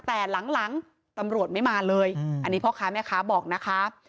แต่หลังตำรวจไม่มาเลยอันนี้พ่อค้าแม่ค้าบอกนะคะ